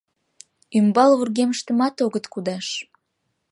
Ӱмбал вургемыштымат огыт кудаш.